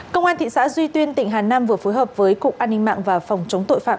công an thị xã duy tiên tỉnh hà nam vừa phối hợp với cục an ninh mạng và phòng chống tội phạm